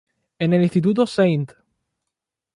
En el Instituto St.